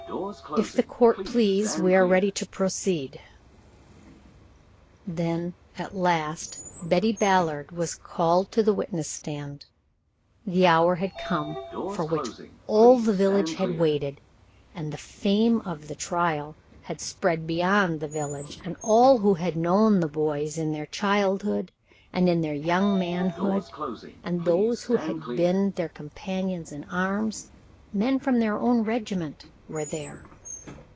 "If the court please, we are ready to proceed." Then at last Betty Ballard was called to the witness stand. The hour had come for which all the village had waited, and the fame of the trial had spread beyond the village, and all who had known the boys in their childhood and in their young manhood, and those who had been their companions in arms men from their own regiment were there.